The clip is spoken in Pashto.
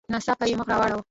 ناڅاپه یې مخ را واړاوه.